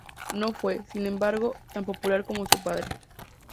No fue, sin embargo, tan popular como su padre.